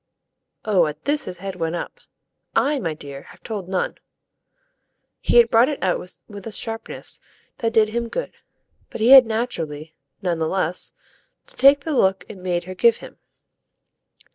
Oh at this his head went up. "I, my dear, have told none!" He had brought it out with a sharpness that did him good, but he had naturally, none the less, to take the look it made her give him.